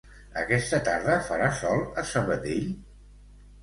Aquesta tarda farà sol a Sabadell?